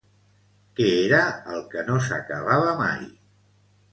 Què era el que no s'acabava mai?